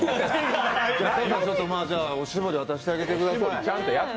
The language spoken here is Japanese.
おしぼり渡してあげてください。